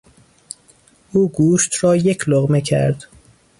او گوشت را یک لقمه کرد.